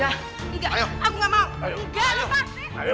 aku gak mau